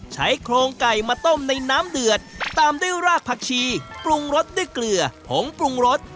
ใช้โครงไก่มาต้มในน้ำเดือดตามด้วยรากผักชีปรุงรสด้วยเกลือผงปรุงรส